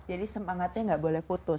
jadi semangatnya nggak boleh putus